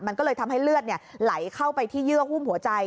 มันก็เลยทำให้เลือดไหลเข้าไปที่เยื่อหุ้มหัวใจ